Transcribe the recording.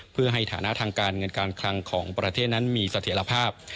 เพื่อให้ฐานะทางการเงินการคลังของประเทศนั้นมีเสถียรภาพ